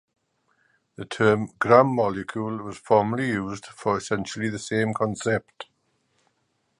The term "gram-molecule" was formerly used for essentially the same concept.